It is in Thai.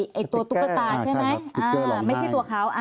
ใช่ครับตุ๊กเกอร์ร้องไห้ไม่ใช่ตัวเขา